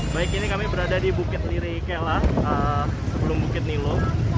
baik ini kami berada di bukit niri kela sebelum bukit nilo